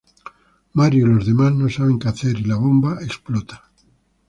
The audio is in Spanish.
Mario y los demás no saben que hacer, y la bomba explota.